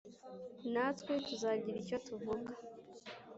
na twe tuzagira icyo tuvuga,